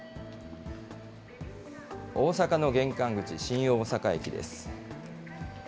大阪の玄関口、新大阪駅です。